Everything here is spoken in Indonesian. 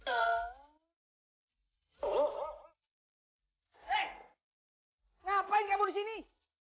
eh ngapain kamu disini